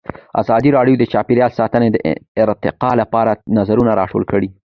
ازادي راډیو د چاپیریال ساتنه د ارتقا لپاره نظرونه راټول کړي.